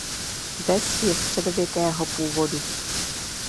Ves je středověkého původu.